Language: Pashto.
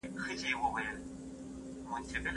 زه اجازه لرم چي پلان جوړ کړم!!